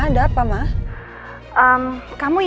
you tak emang bisa